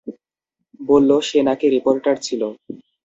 বলল, সে নাকি রিপোর্টার ছিলো।